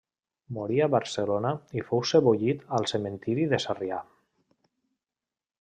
Morí a Barcelona i fou sebollit al Cementiri de Sarrià.